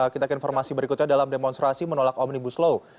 kita ke informasi berikutnya dalam demonstrasi menolak omnibus law